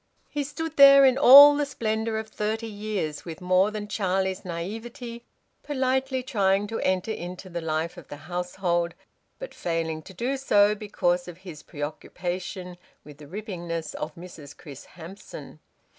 He stood there in all the splendour of thirty years, with more than Charlie's naivete, politely trying to enter into the life of the household, but failing to do so because of his preoccupation with the rippingness of Mrs Chris Hamson.